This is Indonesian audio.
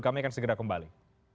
kami akan segera kembali